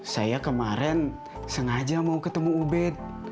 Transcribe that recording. saya kemarin sengaja mau ketemu ubed